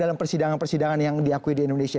dalam persidangan persidangan yang diakui di indonesia